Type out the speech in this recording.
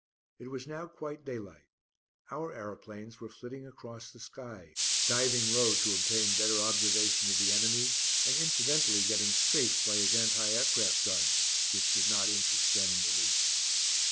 It was now quite daylight; our aeroplanes were flitting across the sky, diving low to obtain better observation of the enemy, and incidentally getting "strafed" by his anti aircraft guns which did not interest them in the least.